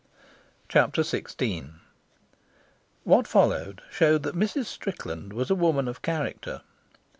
Chapter XVI What followed showed that Mrs. Strickland was a woman of character.